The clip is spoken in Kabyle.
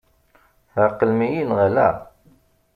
Tɛeqlem-iyi-d neɣ ala?